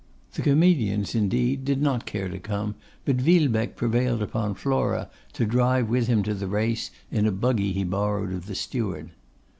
The comedians, indeed, did not care to come, but Villebecque prevailed upon Flora to drive with him to the race in a buggy he borrowed of the steward.